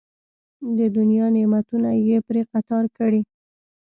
د دنیا نعمتونه یې پرې قطار کړي.